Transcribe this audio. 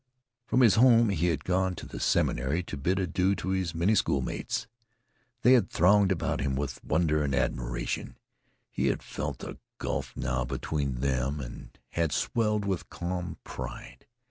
From his home he had gone to the seminary to bid adieu to many schoolmates. They had thronged about him with wonder and admiration. He had felt the gulf now between them and had swelled with calm pride.